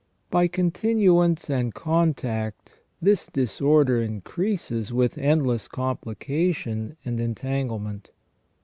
By continuance and contact this disorder increases with endless complication and entanglement.